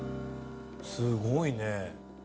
すごいね。